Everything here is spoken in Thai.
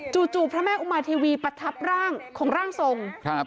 จู่พระแม่อุมาเทวีประทับร่างของร่างทรงครับ